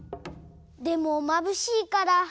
でもまぶしいから。